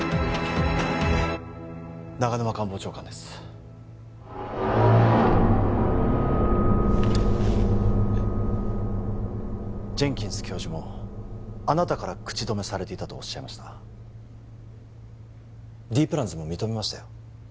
長沼官房長官ですジェンキンス教授もあなたから口止めされていたとおっしゃいましたＤプランズも認めましたよ